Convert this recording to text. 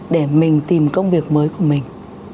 để mình tìm công việc mới của mình